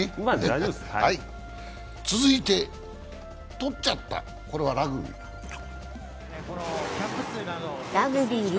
続いて「とっちゃった」、これはラグビー。